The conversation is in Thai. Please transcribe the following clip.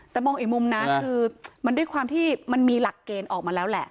แต่มองอีกมุมนะคือมันด้วยความที่มันมีหลักเกณฑ์ออกมาแล้วแหละ